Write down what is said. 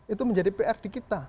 itu menjadi pr di kita